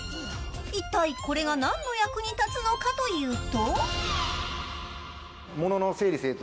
いったいこれが何の役に立つのかというと。